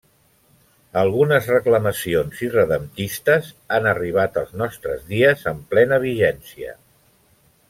Algunes reclamacions irredemptistes han arribat als nostres dies amb plena vigència.